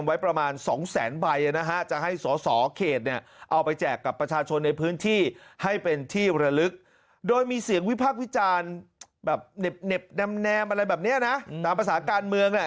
แนมอะไรแบบนี้นะตามภาษาการเมือง